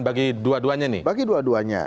bagi dua duanya nih bagi dua duanya